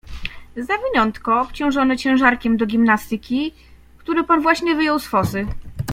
"Zawiniątko, obciążone ciężarkiem do gimnastyki, które pan właśnie wyjął z fosy."